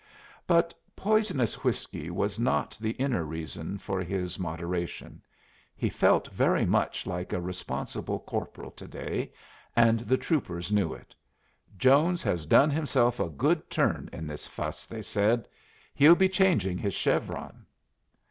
But poisonous whiskey was not the inner reason for his moderation. He felt very much like a responsible corporal to day, and the troopers knew it. "Jones has done himself a good turn in this fuss," they said. "He'll be changing his chevron."